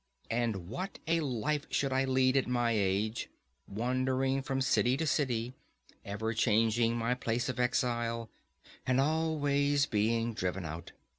And what a life should I lead, at my age, wandering from city to city, ever changing my place of exile, and always being driven out!